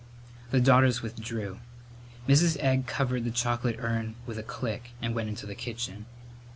The daughters withdrew. Mrs. Egg covered the chocolate urn with a click and went into the kitchen.